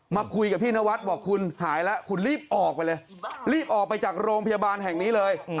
มาคุยกับพี่นวัดบอกคุณหายแล้วคุณรีบออกไปเลยรีบออกไปจากโรงพยาบาลแห่งนี้เลย